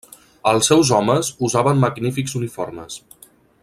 Els seus homes usaven magnífics uniformes.